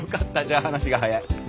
じゃあ話が早い。